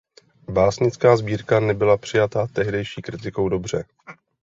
Básnická sbírka nebyla přijata tehdejší kritikou dobře.